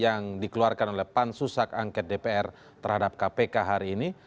yang dikeluarkan oleh pansus hak angket dpr terhadap kpk hari ini